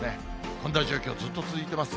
こんな状況、ずっと続いています。